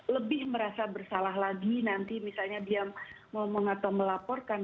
lebih merasa bersalah lagi nanti misalnya dia ngomong atau melaporkan